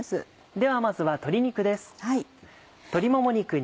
ではまずは鶏肉です。